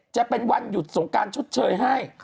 จะเป็นวันหยุดสงการชดเชยให้